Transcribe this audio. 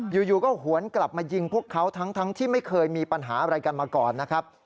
อยู่ก็หวนกลับมายิงพวกเขาทั้งที่ไม่เคยมีปัญหาอะไรกันมาก่อนนะครับ